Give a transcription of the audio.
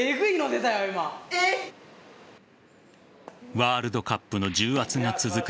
ワールドカップの重圧が続く